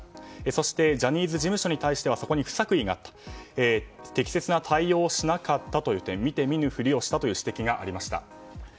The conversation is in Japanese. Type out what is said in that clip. そしてジャニーズ事務所に対してはそこに不作為があった適切な対応をしなかったという点見て見ぬふりをしたという指摘がありました。